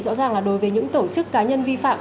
rõ ràng là đối với những tổ chức cá nhân vi phạm